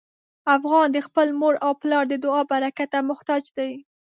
افغان د خپل مور او پلار د دعا برکت ته محتاج دی.